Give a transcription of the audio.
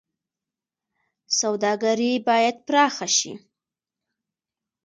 سوداګري باید پراخه شي